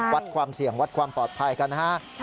วัดความเสี่ยงวัดความปลอดภัยกันนะฮะ